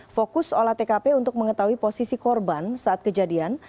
fokus olah tkp untuk mengetahui posisi korban saat kejadian